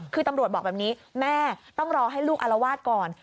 คือตำรวจบอกแบบนี้แม่ต้องรอให้ลูกอารวาสก่อน